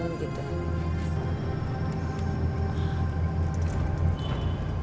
tapi bagus kalau patungan gitu